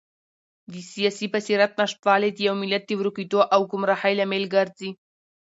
د سیاسي بصیرت نشتوالی د یو ملت د ورکېدو او ګمراهۍ لامل ګرځي.